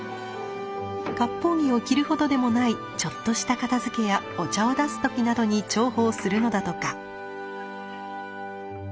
割烹着を着るほどでもないちょっとした片づけやお茶を出す時などに重宝するのだとか。